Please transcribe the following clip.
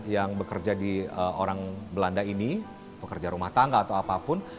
yang bekerja di orang belanda ini pekerja rumah tangga atau apapun